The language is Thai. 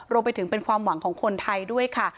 รวมไปถึงเป็นความหวังของคนไทยด้วยค่ะ